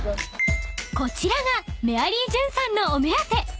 ［こちらがメアリージュンさんのお目当て］